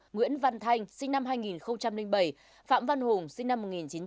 nguyễn văn thanh sinh năm hai nghìn bảy phạm văn hùng sinh năm một nghìn chín trăm chín mươi